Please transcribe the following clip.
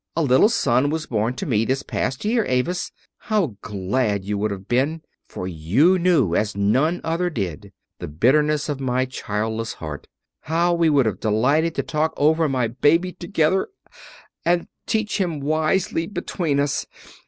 A little son was born to me this past year, Avis. How glad you would have been, for you knew, as none other did, the bitterness of my childless heart. How we would have delighted to talk over my baby together, and teach him wisely between us!